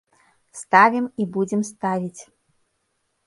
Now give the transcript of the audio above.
Ставім і будзем ставіць.